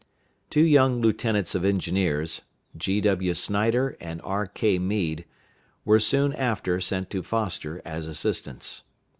Two young lieutenants of engineers, G.W. Snyder and R.K. Meade, were soon after sent to Foster as assistants.